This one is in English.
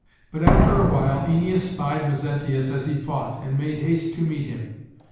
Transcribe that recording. But after awhile Æneas spied Mezentius as he fought, and made haste to meet him.